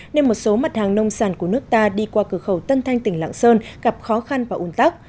nên một số mặt hàng nông sản của nước ta đi qua cửa khẩu tân thanh tỉnh lạng sơn gặp khó khăn và ủn tắc